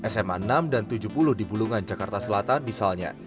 sma enam dan tujuh puluh di bulungan jakarta selatan misalnya